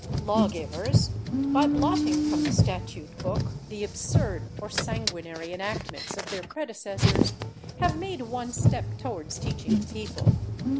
Lawgivers, by blotting from the statute book the absurd or sanguinary enactments of their predecessors, have made one step towards teaching the people.